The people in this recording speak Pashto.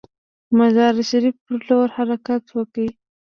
مزار شریف پر لور حرکت وکړ.